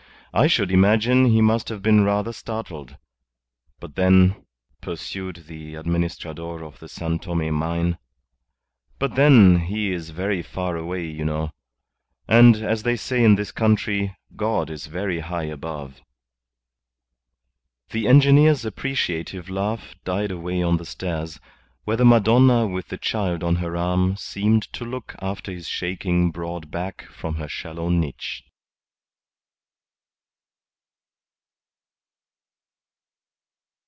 I should imagine he must have been rather startled. But then" pursued the Administrador of the San Tome mine "but then, he is very far away, you know, and, as they say in this country, God is very high above." The engineer's appreciative laugh died away down the stairs, where the Madonna with the Child on her arm seemed to look after his shaking broad back from her shallow niche.